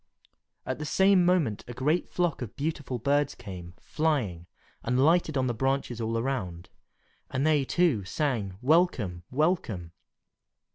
At the same moment a great flock of beautiful birds came, flying, and lighted on the branches all around, and they, too, sang, "Welcome! welcome!"